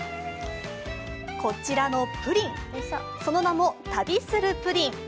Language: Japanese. こちらのプリン、その名も旅するプリン。